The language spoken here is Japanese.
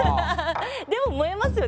でも萌えますよね。